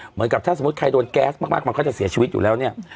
เหมือนกับถ้าสมมุติใครโดนแก๊สมากมันก็จะเสียชีวิตอยู่แล้วเนี่ย